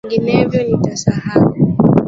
Vinginevyo nitasahau.